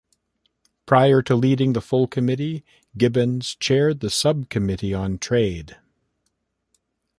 Prior to leading the full committee, Gibbons chaired the subcommittee on trade.